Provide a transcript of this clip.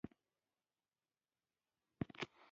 ما ورته وویل: زه له هر لحاظه ښه او روغ یم.